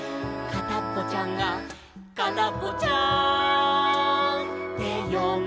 「かたっぽちゃんとかたっぽちゃん